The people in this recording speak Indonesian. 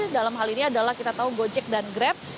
dalam hal ini adalah kita tahu gojek dan grab